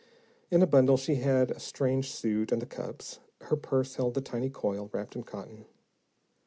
In a bundle she had a strange suit and the cups; her purse held the tiny coil, wrapped in cotton.